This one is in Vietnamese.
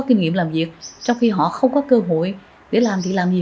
có kinh nghiệm làm việc trong khi họ không có cơ hội để làm thì làm gì